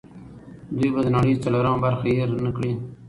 دوی به د نړۍ څلورمه برخه هېر نه کړي.